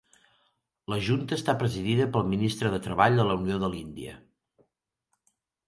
La junta està presidida pel ministre de Treball de la Unió de l'Índia.